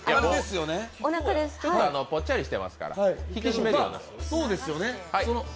ちょっとぽっちゃりしてますから、引き締めるような。